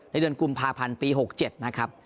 เดือนกุมภาพันธ์ปี๖๗นะครับ